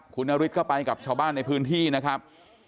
คุณนฤทธิก็ไปกับชาวบ้านในพื้นที่นะครับ